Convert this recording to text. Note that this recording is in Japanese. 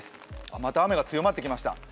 あ、また雨が強まってきました。